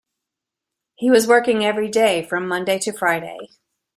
He was working every day from Monday to Friday